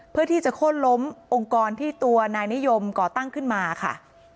เพื่อที่จะโค้นล้มองค์กรที่ตัวนายนิยมก่อตั้งขึ้นมาค่ะ